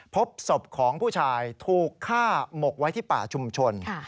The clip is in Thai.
พบศพของผู้ชายถูกฆ่าหมกไว้ที่ป่าชุมชน